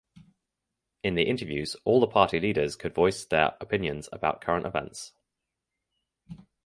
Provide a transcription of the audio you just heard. In the interviews all the party leaders could voice their opinions about current events.